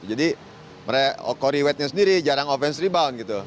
jadi core white nya sendiri jarang offense rebound